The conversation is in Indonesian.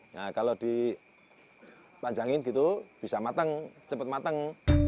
nah kalau dipanjangin gitu bisa matang cepat matang